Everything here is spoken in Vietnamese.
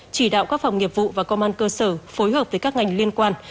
chỉ đạo các phòng nghiệp vụ và công an cơ sở phối hợp với các ngành liên quan